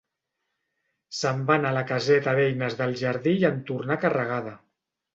Se'n va anar a la caseta d'eines del jardí i en tornà carregada.